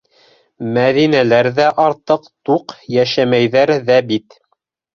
Мәҙинәләр ҙә артыҡ туҡ йәшәмәйҙәр ҙә бит.